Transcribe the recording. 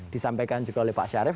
disampaikan juga oleh pak syarif